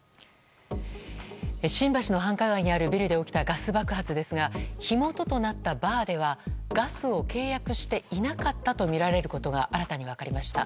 新橋の繁華街にあるビルで起きたガス爆発ですが火元となったバーではガスを契約していなかったとみられることが新たに分かりました。